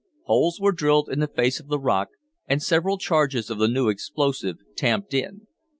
Holes were drilled in the face of the rock, and several charges of the new explosive tamped in.